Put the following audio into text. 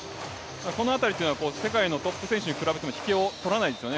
このあたりというのは世界のトップ選手に比べても引けを取らないですよね